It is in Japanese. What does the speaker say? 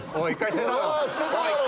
捨てただろ？